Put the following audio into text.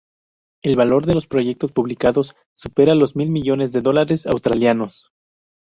El valor de los proyectos publicados supera los mil millones de dólares australianos.